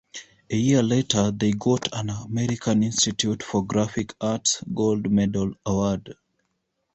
A year later, they got an American Institute for Graphic Arts Gold Medal Award.